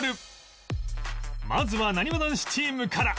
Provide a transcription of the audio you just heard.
まずはなにわ男子チームから